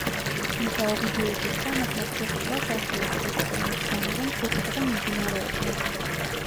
თუმცა ოვიდიუსის თანახმად ფესტივალს ასე ეწოდებოდა იმის გამო, რომ ხუთი დღე მიმდინარეობდა.